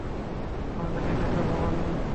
আমাকে ডেকেছ, ভবানী?